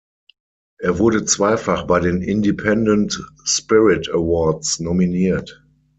Er wurde zweifach bei den Independent Spirit Awards nominiert.